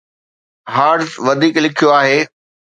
Hertz وڌيڪ لکيو آهي